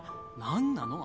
何なの？